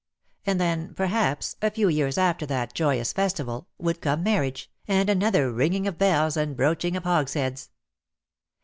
And then, perhaps, a few years after that joyous festival, would come marriage, and another ringing of bells and broaching of hogsheads.